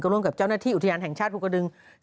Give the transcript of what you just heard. ร่วมกับเจ้าหน้าที่อุทยานแห่งชาติภูกระดึง